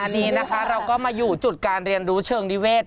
อันนี้นะคะเราก็มาอยู่จุดการเรียนรู้เชิงนิเวศ